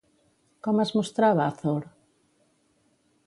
Com es mostrava Athor?